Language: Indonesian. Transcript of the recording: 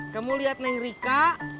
kamu liat neng rika